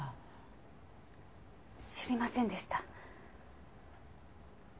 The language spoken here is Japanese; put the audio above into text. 知りませんでした。